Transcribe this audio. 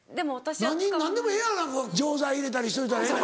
何でもええやないか錠剤入れたりしといたらええ。